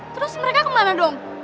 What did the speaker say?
terus mereka kemana dong